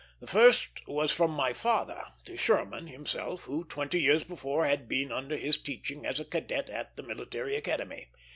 The first was from my father to Sherman himself, who twenty years before had been under his teaching as a cadet at the Military Academy.